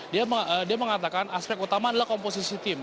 dia mengatakan aspek utama adalah komposisi tim